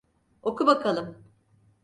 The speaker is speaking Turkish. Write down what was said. Oku bakalım.